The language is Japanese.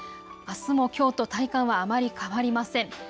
あすもきょうと体感はあまり変わりません。